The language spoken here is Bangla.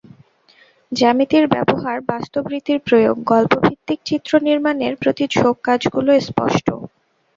জ্যামিতির ব্যবহার, বাস্তব রীতির প্রয়োগ, গল্পভিত্তিক চিত্র নির্মাণের প্রতি ঝোঁক কাজগুলোয় স্পষ্ট।